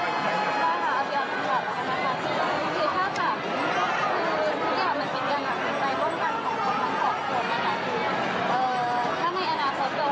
แฟนคลับก็เสียดายคู่เราเลยอย่างนี้มีโอกาสต่อไปอีกไหม